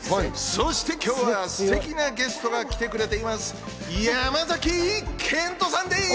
そして今日はすてきなゲストが来てくれています。